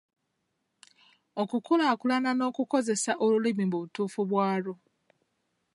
Okukulakulanya n’okukozesa olulimi mu butuufu bwalwo.